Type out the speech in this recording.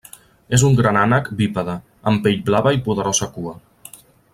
És un gran ànec bípede, amb pell blava i poderosa cua.